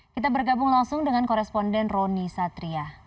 kita bergabung langsung dengan koresponden roni satria